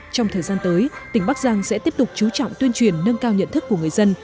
trong thời gian tới tỉnh bắc giang sẽ tiếp tục chú trọng tuyên truyền nâng cao nhận thức của người dân